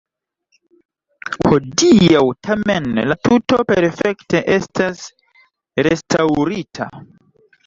Hodiaŭ tamen la tuto perfekte estas restaŭrita.